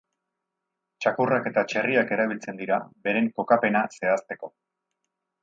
Txakurrak eta txerriak erabiltzen dira beren kokapena zehazteko.